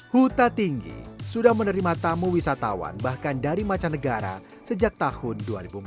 huta tinggi sudah menerima tamu wisatawan bahkan dari macanegara sejak tahun dua ribu empat belas